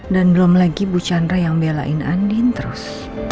dan belum lagi bu chandra yang belain andin terus